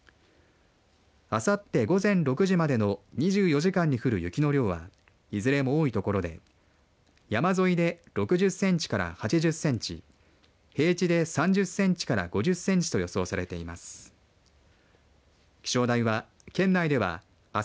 あさって午前６時までの２４時間に降る雪の量はいずれも多い所で山沿いで６０センチから８０センチ平地で３０センチから５０センチと予想されています。